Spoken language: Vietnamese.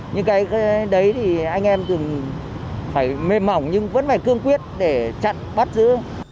nhưng cái đấy thì anh em thường phải mềm mỏng nhưng vẫn phải cương quyết để chặn bắt giữ